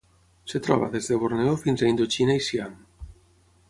Es troba des de Borneo fins a Indoxina i Siam.